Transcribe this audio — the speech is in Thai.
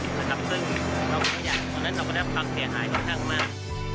เราไม่อยากลงแล้วเราจะได้พักเตียงหายมาก